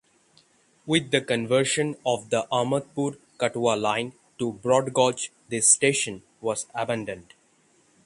With the conversion of the Ahmadpur–Katwa line to broad gauge this station was abandoned.